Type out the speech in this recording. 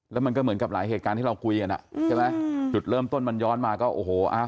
แล้วมันก็เหมือนกับหลายเหตุการณ์ที่เราคุยกันอ่ะใช่ไหมจุดเริ่มต้นมันย้อนมาก็โอ้โหอ้าว